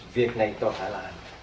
việc này tôi phải làm